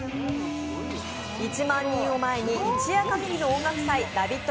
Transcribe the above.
１万人を前に一夜限りの音楽祭ＬＯＶＥＩＴ！